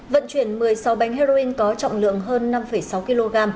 vận chuyển một mươi sáu bánh heroin có trọng lượng hơn năm sáu kg